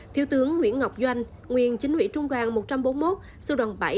thiếu tướng nguyễn ngọc doanh nguyên chính ủy trung đoàn một trăm bốn mươi một sư đoàn bảy